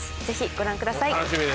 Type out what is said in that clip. ぜひご覧ください。